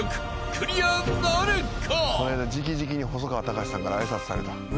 ［クリアなるか？］